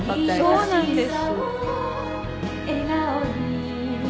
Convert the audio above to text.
そうなんです。